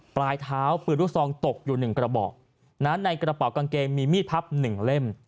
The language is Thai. ปลายเท้าปืนลูกซองตกอยู่๑กระบอกในกระเป๋ากางเกงมีมีดพับ๑เล่ม